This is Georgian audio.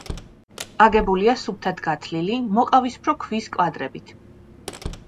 აგებულია სუფთად გათლილი მოყავისფრო ქვის კვადრებით.